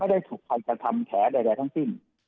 ไม่ได้ถูกใครจะทำแถวใดทั้งสิ้น